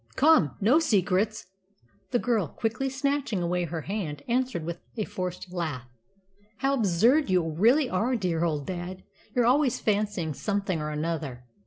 Come, no secrets." The girl, quickly snatching away her hand, answered with a forced laugh, "How absurd you really are, dear old dad! You're always fancying something or other."